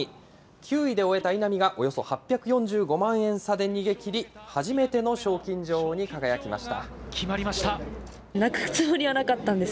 ９位で終えた稲見がおよそ８４５万円差で逃げ切り、初めての賞金決まりました。